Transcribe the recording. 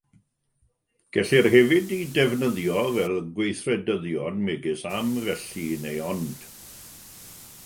Gellir hefyd eu defnyddio fel gweithredyddion megis 'am', 'felly' neu 'ond'.